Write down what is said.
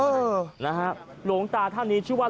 โหโหนะครับหลวงตาท่านนี้ชื่อว่า